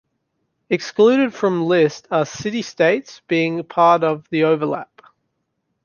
Excluded from list are city-states being part of the overlap.